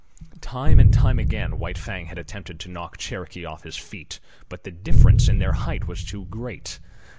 Time and again White Fang had attempted to knock Cherokee off his feet; but the difference in their height was too great.